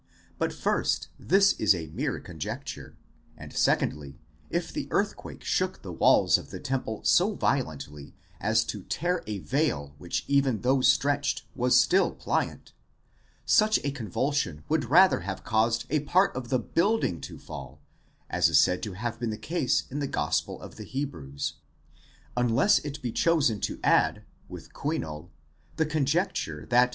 But first, this is a mere conjecture: and secondly, if the earth quake shook the walls of the temple so violently, as to tear a veil which even though stretched, was still pliant : such a convulsion would rather have caused a part of the building to fall, as is said to have been the case in the Gospel of the Hebrews: 1! unless it be chosen to add, with Kuin6l, the conjecture that.